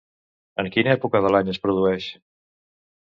En quina època de l'any es produeix?